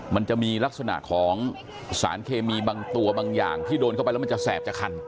มันจะมีลักษณะของสารเคมีบางตัวบางอย่างที่โดนเข้าไปแล้วมันจะแสบจะคัน